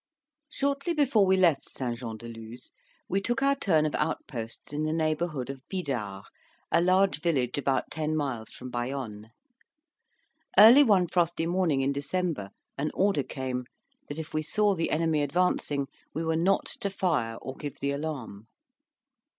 Shortly before we left St Jean de Luz, we took our turn of outposts in the neighbourhood of Bidart, a large village, about ten miles from Bayonne. Early one frosty morning in December, an order came, that if we saw the enemy advancing, we were not to fire or give the alarm.